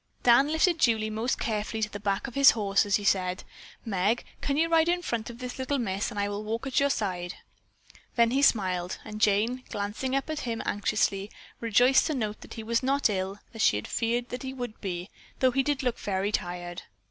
Dan lifted Julie most carefully to the back of his horse as he said: "Meg, can you ride in front of this little miss and I will walk at your side?" Then he smiled, and Jane, glancing at him anxiously, rejoiced to note he was not ill as she had feared he would be, though he did look very tired.